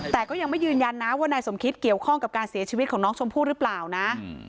แต่ก็ยังไม่ยืนยันนะว่านายสมคิตเกี่ยวข้องกับการเสียชีวิตของน้องชมพู่หรือเปล่านะ